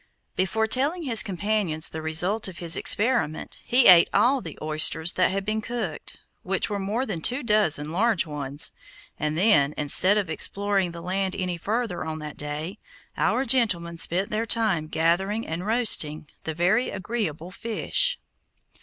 Before telling his companions the result of his experiment, he ate all the oysters that had been cooked, which were more than two dozen large ones, and then, instead of exploring the land any further on that day, our gentlemen spent their time gathering and roasting the very agreeable fish.